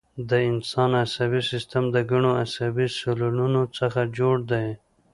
د انسان عصبي سیستم د ګڼو عصبي سلولونو څخه جوړ دی